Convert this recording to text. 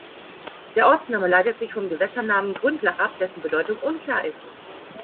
Der Ortsname leitet sich vom Gewässernamen Gründlach ab, dessen Bedeutung unklar ist.